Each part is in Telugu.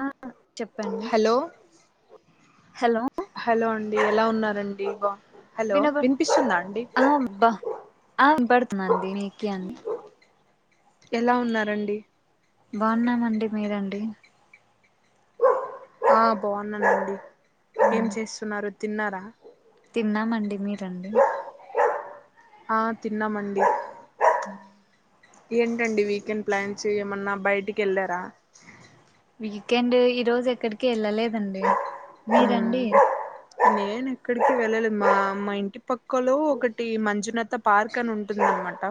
ఆ చెప్పండి హలో హలో హలో అం డి ఎలా ఉన్నారండి బా హలో వినబ వినిపిస్తుందా అండి ఆ బా ఆ వినపడుతుందండి మీకి అండి ఎలా ఉన్నారండి బాగున్నామండి మీరండి ఆ బాగున్నానండి ఏం ఉమ్, చేస్తున్నారు తిన్నారా తిన్నామండి మీరండి ఆ తిన్నామండి ఆ ఏంటండి వీకెండ్ ప్లాన్ చే ఏమన్నా బయటికి వెళ్లారా వీకెండ్ ఈ రోజు ఎక్కడికి వెళ్ళలేదండి మ్మ్ మీరండి నేను ఎక్కడికి వెళ్ళలే మా మా ఇంటి పక్కలో ఒకటి మంజునాథ పార్క్ అని ఉంటుంద అనమాట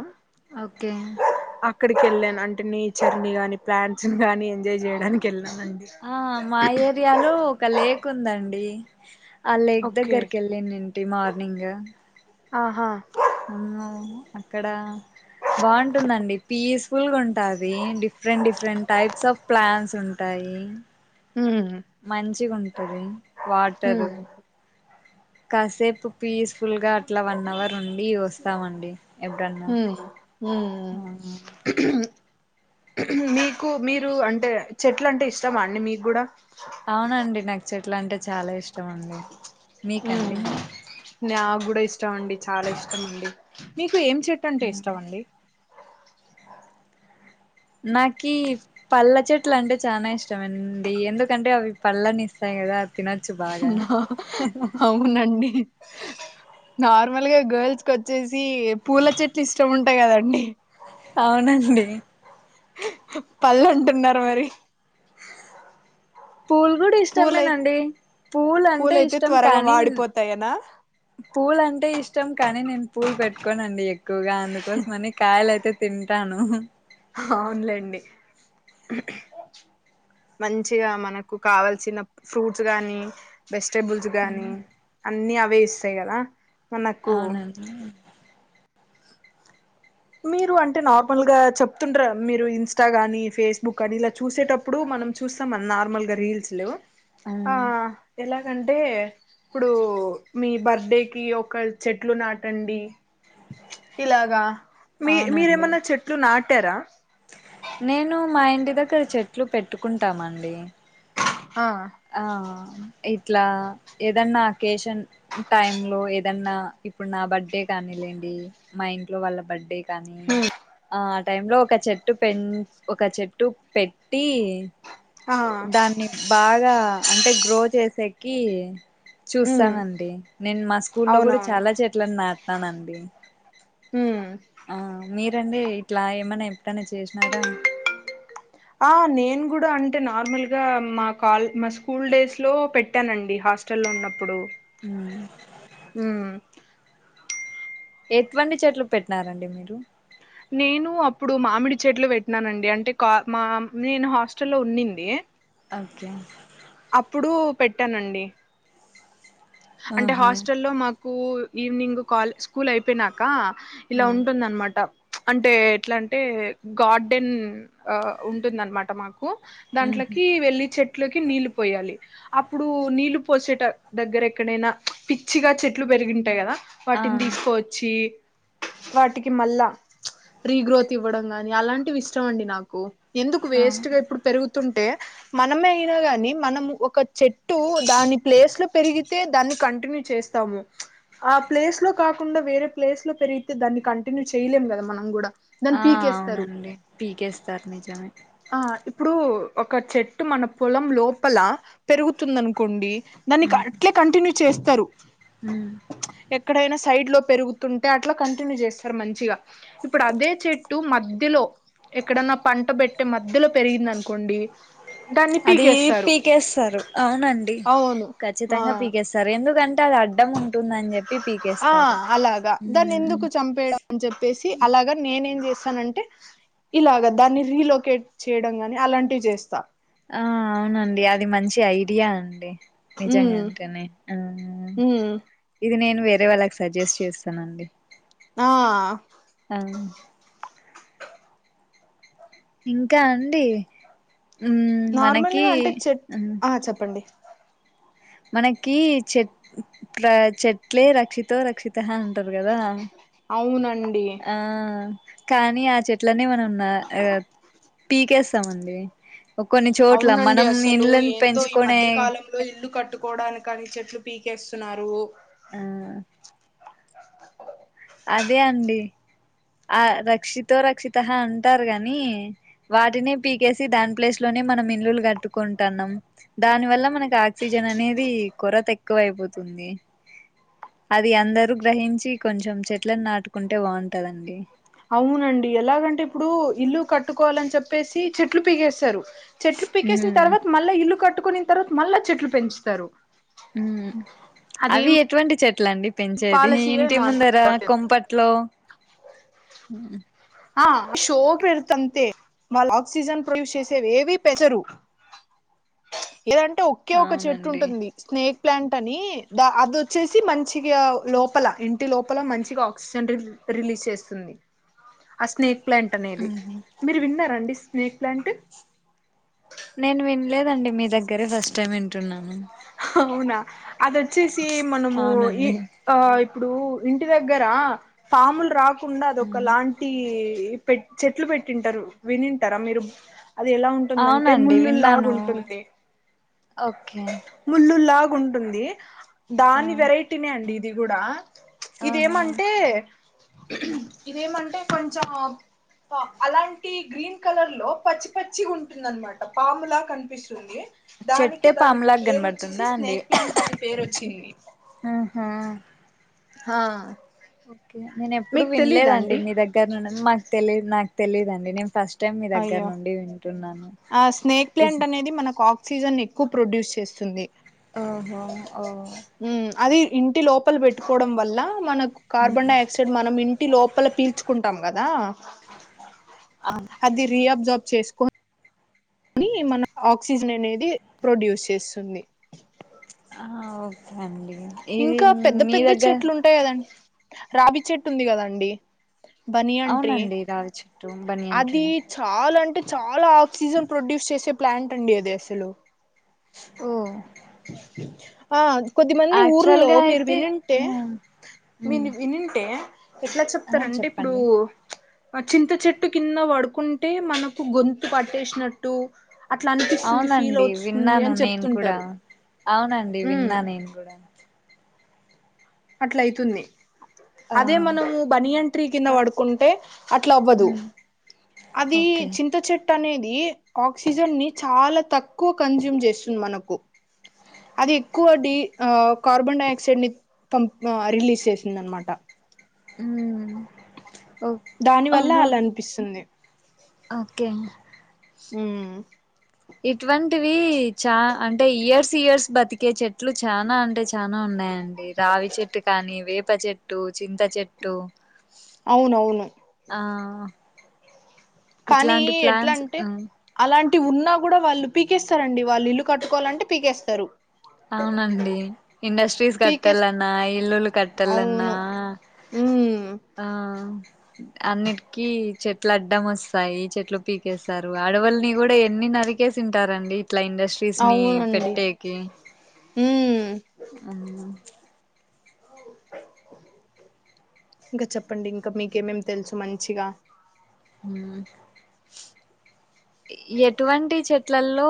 ఓకే వళ్ళాను అంటే నేచర్ ని గాని ప్లాంట్స్ ని కానీ ఎంజాయ్ చేయడానికి వెళ్ళాను ఆ మా ఏరియాలో ఒక లేక్ కుందండి ఆ లేక్ ఓకే దగ్గరికి వెళ్ళిన్ డింటి మార్నింగ్ ఆహా అన్ను అక్కడ బాగుంటుందండి పీస్ఫుల్గా ఉంటది. Different different types of plans ఉంటాయి. మ్మ్ మంచిగా ఉం టది వాటరు మ్మ్ కాసేపు పీస్ ఫుల్గా అట్లా వన్ అవర్ ఉండి చూస్తామండి ఎప్పుడన్నా ఉమ్ ఉమ్ అహా మీకు మీరు అంటే చెట్లు అంటే ఇష్టం అ మీకు కూడా చెట్ల అంటే చాలా ఇష్టం అండి హ మీకండి న్యా కూడాడా ఇష్ట ఉండి చాలా ఇష్టం అండి మీ కు ఏం చెట్టు అంటే ఇష్టం అండి నాకి పల్ల చెట్లు అంటే చాలా ఇష్టమ అండి. ఎందుకంటే అవి పళ్ళని ఇస్తాయి కదా తినొచ్చు బాగా అవునండి నార్మల్గా గర్ల్స్ క వచ్చేసి పూల చెట్లు ఇష్టం ఉంటయి కదండి అవునండి పళ్ళు అంటున్నారు మరి పూలు కూడా పూలై ఇష్టమేనండి. పూలు అంటే పూలయితే ఇష్టం త్వరగా కానీ వాడిపోతాయనా పూల అంటే ఇష్టం కానీ నేన్ పూల్ పెట్టుకోనండి ఎక్ క్కువగా అందుకోసంమని కాయలై తే తింటాను అవునులేండి. మంచిగా మనకు కావల్సిన ఫ్రూట్స్ గానీ వెజిటేబుల్స్ గానీ అన్నిీ అవ్ వేస్తయి కదా మనకు అవునండి మీరు అంటే నార్మల్గా చెప్తుంటార్, మీరు ఇన్స్టా గాని, ఫేస్బుక్ కానీ ఇలా చూసేటప్పుడు, మనం చూస్తాం అ నార్మల్ గా రీల్స్లు ఆ మ్మ్ ఎలా ఎ అంటే ఇప్పుడు మీ బర్త్డేకి ఒక చెట్లు నాటండి ఇలాగా మీ అవునండి మీరేమన్నా చెట్లు నాట్ టార నేను మా ఇంటి దగ్గర చెట్లు పెట్టుకుంటామండి. ఆ ఆ ఇట్లా ఏదన్నా అకేషన్ టైమ్ లో ఏదన్నా, ఇప్పుడు నా బర్త్డే కానీ లేండి మా ఇంట్లో వాళ్ళ బర్త్డే కానీ ఆ టైమ్ లో ఒక చెట్టు పెంచ్ ఒక చెట్టు పెట్టి ఆ దాన్ని బాగ్ ట అంటే గ్రో చేసేకి ఉమ్ చూస్తానండి నేను మా స్కూల్ లో కూడా అవునవును చాలా చెట్ల నా టా నండి ఉమ్ ఆ మీర్ రండి ఇట్లా ఏమన్నా ఎప్పుడైనా చేసినారా ఆ నేను కూడా అంటే నార్మల్గా, మా కాల్ మా స్కూల్ డేస్ లో పెట్టానండి. హాస్టల్ల్లో ఉన్నప్పుడు అ హుమ్ ఎటువంటి చెట్లు పెట్టినారండి మీరు నేను అప్పుడు మామిడి చెట్లు పెట్టినానండి అంటే కా మా నేను హాస్టల్ల్లో ఉన్నింది ఓకే అప్పుడు పెట్టానండి అంటే ఆహా హాస్టల్లో మాకు కూల్ ఈవినింగ్ కాల్ స్కూల్ అయిపోయినాక ఇలా ఉమ్ ఉంటుంద అనమాట అంటే ఎట్లా అంటే గార్డెన్ ఉంటుంద అనమాట మాకు ఉహు దాంట్లోకి వెళ్లి చెట్లోకి నీళ్ళ పోయాలి అప్పుడు నీళ్లు పోసేట దగ్గర ఎక్కడైనా పిచ్చిగా చెట్లు పెరిగింటాయి కదా ఆ వాటిని తీసుకోవచ్చి వాటికి మళ్ళా రీగ్రోత్ ఇవ్వడం గాని అలాంటివి ఇష్టం అండి నాకు ఎందుకు ఆ వేస్ట్ గా ఇప్పుడు పెరుగు తుంటే మనమే అయినా గాని మనం ఒక చెట్టు దాని ప్లేస్ లో పెరిగి అతే దాన్ని కంటిన్యూ చేస్తాము ఆ ప్లేస్ లో కాకుండా వేరే ప్లేస్ లో పెరిగితే దాన్ని కంటిన్యూ చేయలేం కదా మనం కూడా ఆ దాన్ని పీకేస్తారు అవునండి పీకేస్తారు నిజమే ఆ ఇప్పుడు ఒక చెట్టు మన పొలం లోపల పెరుగుతుంది అనుకోండి దానికా చేస్తారు అ ఎక్కడైనా సైడ్ లో పెరుగుతుంటే అట్లా కంటిన్యూ చేస్తారు మంచిగా ఇప్పుడు అదే చెట్టు మధ్యలో ఎక్కడన్నా పంట పెట్టే మధ్యలో పెరిగింది అనుకోండి దాన్ని అది పీకేస్తారు పీకేస్తారు అవునండి అవును ఖచ్చిత ఆ తంగ పీకేస్తారు ఎందుకంటే అది అడ్డం ఉంటుందని చెప్పి ఆ పీకేస్తారు అలాగా దాన్ని ఎందుకు చంపేయడం అని చెప్పేసి అలాగా నేనేం చేస్తానంటే ఇలాగ దాన్ని రీలోకేట్ చేయడం గాని అలాంటివి చేస్తా ఆ అవునండి అది మంచి ఐడియా అండి నిజంగా ఉమ్ అనుకనే ఉమ్ ఇది నేను వేరే వాళ్ళకి సజెస్ట్ చేస్తానండి ఆ ఆ ఇంకా అండి మ్మ్ మనకి నార్మల్గా అంటే చెట్ మ్మ్ ఆ చెప్పండి మనకి చెట్ ప్ర చెట్లే రక్షితో రక్షితః టరు కదా అవునండి ఆ కానీ ఆ చెట్లన్నీ మనం నా పీకేస్తామండి కొన్ని చోట్ల అవునండి మనం అసలు ఇండ్లను ఏందో ఈ పెంచుకునే మధ్య కాలంలో ఇల్లు కట్టుకు కోవడానికి అన్ని చెట్లు పీకేస్తున్నారు ఆ అదే అండి ఆ రక్షితో రక్షితః అంటారు గాని వాటినే పీకేసి దాని ప్లేస్ లోనే మనం ఇల్లులు కట్టుకుంటాన్నాం దాని వల్ల మనకి ఆక్సిజన్ అనేది కొరత ఎక్కువ అయిపోతుంది అది అందరూ గ్రహించి కొంచెం చెట్లలను నాటుకుంటే బాగుంటందండి ది అవునండి ఎలాగంటే ఇప్పుడు ఇల్లు కట్టుకోవాలని చెప్పేసి చెట్లు పీకేస్తారు చెట్లు పీకేసిన ఉమ్ తర్వాత మళ్ళీ ఇల్లు కట్ కట్టుకున్న తర్వాత మళ్ళా చెట్లు పెంచుతారు ఉమ్ అవి అదేం ఎటువంటి చెట్ ట్లాండి పెంచేది పాలసీయే ఇంటి ఏమో అర్థం ముందరా కావట్లేదు కొంపట్లో ఆ షో పెడత అంతే వాళ్ళు ఆక్సిజన్ ప్రొడ్యూస్ చేసేవి ఏవి పెసరు ఏదంటే ఒకే ఒక చెట్టు అవునండి ఉంటుంది స్నేక్ ప్లాంట్ అని ద అది వచ్చేసి మంచి గా లోపల ఇంటి లోపల లోపల మంచిగా ఆక్సిజన్ రిలీజ్ చేస్తుంది ఆ స్నేక్ ప్లాంట్ అనేది ఉహు మీరు విన్నారండి స్నేక్ ప్లాంట్ నేను వినలేదండి మీ దగ్గరే ఫస్ట్ టైమ్ వింటున్నాను అవునా ఆదొచ్చేసి మనము ఈ అవునండి ఆ ఇప్పుడు ఇంటి దగ్గరా పాములు రాకు కుండా అదొక ఉమ్ లాంటి పెట్ చెట్లు పెట్టింటారు వినింటారా మీరు అది ఎలా ఉంటుందంటే అవునండి ముళ్ళులాగా విన్నాను ఉంటుంది ఓకే గుంటుంది ఆ దాన్ని వెరైటీనే అండి దిగుడా ఆహా ఇదేమంటే ఇదేమంటె కొంచెం అలాంటి గ్రీన్ కలర్ లో పచ్చి పచ్చిగా ఉంటుంది అనమాట పాములా కనిపిస్తుంది చెట్టే దానికి ే దానికి పాములాగా పేరు వచ్చేసి కనబడుతుందా అండి స్నేక్ ప్లాంట్ అనే పేరు వచ్చింది ఆహా ఆ నేను ఎప్పుడు వినలేదండి మీ దగ్గర ను మాకు తెలిదు నాకు తెలీదండి నేను ఫస్ట్ టైం మీ దగ్గర అయ్యో నుండి వింటున్నాను ఆ స్నేక్ ఈస్ ప్లాంట్ అనేది మనకు ఆ సీజన్ ఎక్కువ్ ప్రొడ్యూస్ చేస్తుంది ఓహో ఓ ఉమ్ అది ఇంటి లోపల పెట్టుకోవడం వల్ల మనక్ కార్బన్డయాక్సైడ్ మనం ఇంటి ఇంటి లోపల పీల్చుకుంటాం గదా అవు అది రి అబ్జార్బ్ చేసుకోన్ ది మనం ఆక్సిజన్ అనేది ప్రొడ్యూస్ చేస్తుంది ఆ ఓకే అండి ఇది ఇంక పెద్ద మీ పెద్ద దగ్గర చెట్లు ఉంటాయి కదండి రావి చెట్టు ఉంది కదండి బనియన్ ట్రీ అవునండి రావి చెట్టు బనియన్ ట్రీ అది చాల అంటే చాల ఆక్సిజన్ ప్రొడ్యూస్ చేసే ప్లాంట్ అండి అది అసలు ఓ ఆ కొద్దిమంది యాక్చువల్ ఊరులో గా మీరు అయితే వినింటే హ్మ్. హ్మ్. విని వినింటే ఎట్ల చెప్తార్ ఆ అంటే ఇప్పుడు చెప్పండి చింత చెట్టు కింద పడుకుంటే మనకు గొంతు పట్టేసినట్టు అట్ల అనిపిస్తుంది ఫీల్ అవునండి అవుస్తుంది విన్నాను అని నేను కూడా చెప్తుంటరు అవునండి విన్నా నేన్ కూడ అట్ల అయితుంది ఆ అదే మనము బనియన్ ట్రీ కింద ర పడుకుంటే అట్ల అవ్వదు హ్మ్. అదీ ఓకే చింత చెట్టు అనే ది ఆక్సిజన్ ని చాల తక్కువ కంజూమ్ చేస్తుంది మనకు అది ఎక్కువ డి ఆ కార్బన్ డై ఆక్సైడ్ ని పంపి రిలీజ్ చేసింద అనమాట ఉమ్ ఓ దాని వల్ల అవునా అలా అనిపిస్తుంది ఓకే ఉమ్ ఇటువంటివి చా అంటే ఇయర్స్ ఇయర్స్ బతికే చెట్లు చానా అంటే చానా ఉన్నాయండి రావి చెట్టు కానీ వేప చెట్టు చింత చెట్టు అవునవును ఆ కానీ ఇట్లాంటి ఎట్ల ప్లాన్స్ అంటే ఆ అలాంటి టి ఉన్నా కూడ వాళ్ళు పీకేస్తారండి వాళ్ళు ఇల్లు కట్టుకోవాలంటే పీకేస్తారు అవునండి ఇండస్ట్రీస్ పీకేస్ కట్టాలన్న ఇల్లులు కట్టాలన్నా అవును ఉమ్ ఆ అన్నిటికిీ చెట్లు అడ్డం వస్తాయి చెట్లు పీకేస్తారు అడవుల్ని కూడ ఎన్ని నరికేసి ఉంటారండి ఇట్ల ఇండస్ట్రీస్ ని అవునండి పెట్టేకి ఉమ్ ఆన్ ఇంకా చెప్పండి ఇంకా మీకేమేం తెలుసు మంచిగా ఉమ్ ఎటువంటి చెట్లల్లో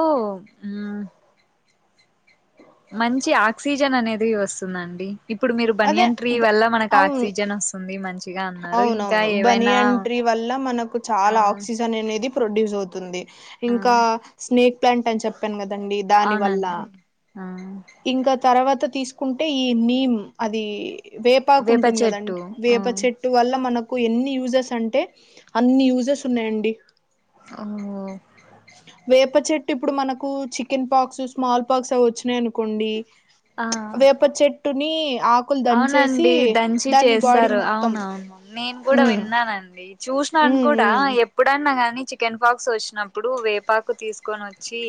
మంచి ఆక్సిజన్ అనేది వస్తుందండి ఇప్పుడు మీరు అదే బనియన్ ట్రీ బ వల్ల మనకు అవును ఆక్సిజన్ వస్తుంది మంచి అవునవును బని ఎంట్రీ వల్ల మనకు ఆ చాలా ఆక్సిజన్ అనేది ప్రొడ్యూస్ అవుతుంది ఆ ఇంకా స్నేక్ పలాంట అ చెప్పను కదా దండి దాని వల్ల అవునండి ఆ ఇంకా తర్వాత తీసుకుంటే ఈ నీమ్ అది వేపాకు వేప ఉంటుంది చెట్టు కదండి ఆ వేప చెట్టు వల్ల మనకు ఎన్ని యూజెర్స్ అంటే అన్ని యూజర్స్ ఉన్నాయండి ఓ వేప చెట్టు ఇప్పుడు మనకు చికెన్ పాక్స్ స్మాల్ పాక్స్ అ వచ్చినాయను కుండి ఆ వేప చెట్టుని ఆకులు దంచేసి అవునండి దంచి దాన్ని బాడీ చేస్తారు మొత్తం అవునవును నేను గుడా ఉమ్ విన్నానండి చూసినాను ఉమ్ కూడా ఉమ్ ఎప్పుడన్నాగాని చికెన్ పాక్స్ వచ్చినప్పుడు వేపాకు తీసుకొని వచ్చి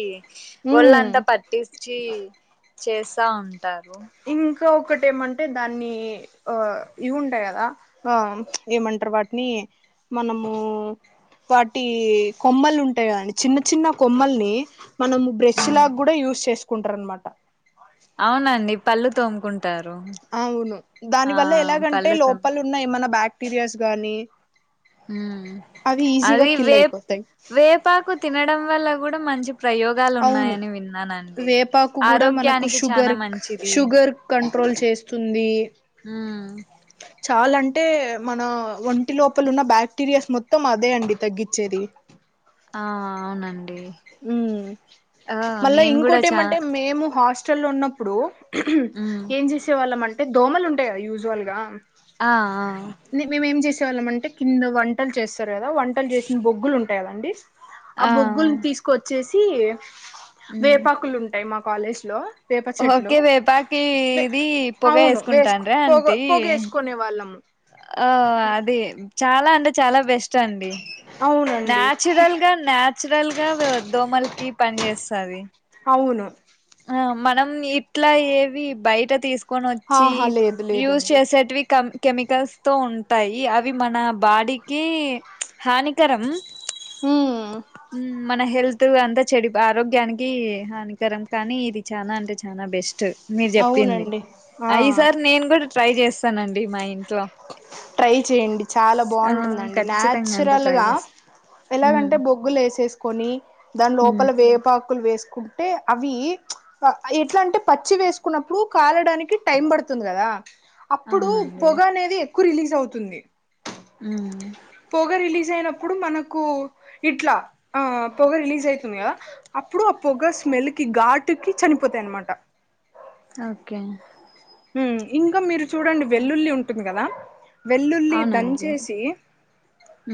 ఉమ్ ఒళ్ళంతా పట్టించి చేస్తా ఉం ఇంకా ఒక తెమంటే దాన్ని ఆ ఇవ్ ఉంటాయ్ కదా, ఆ ఏమంర్ర్ వాటిని మనము వాటీ కొమ్మలు ఉంటాయ్ కదా. చిన్న చిన్న కొమ్మల్ని మనము బ్రష్ ఉమ్ లాగా గుడా యూస్ చేస్ కుంటారన్నమట పళ్లు తోముకుం అవును దాని వల్ల ఎలాగంటే పళ్ళు తోము లోపల ఉన్న ఏమన్న బ్యాక్ పిరియస్ గాని ఉమ్ అది వే అయిపోతాయి వేపాకు తినడం వల్ల గుడా మం అవును వేపాకు కూడా మనకు ఆరోగ్యానికి చానా షుగర్ మంచిది షుగర్ కంట్రోల్ చేస్తుందీ ఉమ్ చాల అంటే మన ఒంటి లోపల ఉన్న బాక్టీరియాస్ మొత్తం అదే అండి తగ్గిచేది ఆ అవునండి హమ్ ఆ మళ్ళా నేను కూడా ఇంకోటి చానా ఏమంటే మేము హాస్ చల్ ఉన్నప్పుడు మ్మ్ ఏం చేసేవాళ్ళం అన్ అంటే దోమలు ఉంటయిగా యూజువల్గా ఆ ఆ తెళ్ళం అంటే కింద వంటలు చేస్తార్ [unintelligible] వంటల్ చేసిన బొగ్గులు [unintelligible] ఆ బోగుల్ తీస్ చేసి మ్మ్ వేపాకులు ఉంటయ్ మా కాలేజ్ లో వేప చెట్లు ఓకే వేపాకి ఇది పొగ అవును వేసుకు వేసుకుంటాండ్ర పొగ అంటిీ పొగేసుకునే వాళ్ళము ఆ అదే చాలా అంటే చాలా బెస్ట్ అండి. అవునండి నాచురల్ గా నాచురల్ గా దోమలకి పని చేస్ తడి అవును ఆ మనం ఇట్లా ఏవి బయట తీస్ కొనచి ఆహా లేదు యూస్ లేదండి చేసేటివి కం కెమికల్స్తో ఉంటాయి అవి మన బాడీకి హానికరం హ్మ్ ఉమ్ మన హెల్త్ తుగంత చెడి ఆరోగ్యానికి హానికరం కానీ ఇది చానా అంటే చానా బెస్ట్ మీరు చెప్పింది ఆ ఈ సారి నేను కూడా ట్రై చేస్తా వస్తానండి మా ఇం ట్రై చేయండి చాలా ఆ బావుంటుందండి ఖచ్చితంగా అంటే న్యాచురల్ ట్రై గా చేస్తా ఉమ్ ఎలాగంటే బొగ్గులు వేసేసుకొని దాని ఉమ్ లోపల వేపాకులు వేసుకు టే అవి ఎట్లా అంటే పచ్చి వేసుకున్నప్పుడు కాలడానికి టైం పడుతుంది కదా. అప్పుడు అవునండి పొగ అనేది ఎక్కువ రిలీజ్ అవుతుంది ఉమ్ పొగ రిలీజ్ అయినప్పుడు మనకు ఇట్లా, ఆ పొగ రిలీజ్ అయితుంది కథ, అప్పుడు ఆ పొగ స్మెల్ కి ఘాటుకి చనిపోతాయ్ అనమాట. ఓకే ఉమ్ ఇంకా మీర్ చూడండి వెల్లుల్లి ఉంటుంది కదా వెల్లుల్లి అవునండి దంచేసి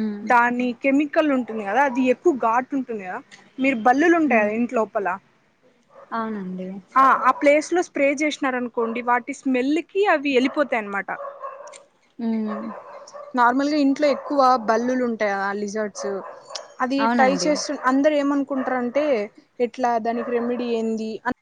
ఉమ్ దాని కెమికల్ ఉన్ ఉంది కదా అది ఎక్కువ ఘాట్ ఉంటుంది కదా మీరు బల్లులు ఉంటాయా ఉమ్ ఇంటి లోపల అవునండి ఆ ఆ ప్లేస్ లో స్ప్రే చేసినారనుకోండి వాటి స్మెల్కి అవి వెళ్ళిపోతాయన్నమాట హ్మ్ నార్మల్గా ఇంట్లో ఎక్కువ బల్లులు ఉంటాయి ఆ లిజర్ట్స్ అది ట్రై అవునండి చేస్తు అందరు ఏమనుకు కుంటార అంటే ఎట్లా దానికి రెమెడీ ఏంది అ